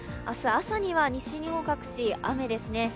明日朝には西日本各地、雨ですね。